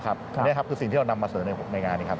อันนี้คือสิ่งที่เรานำมาเสริมในการ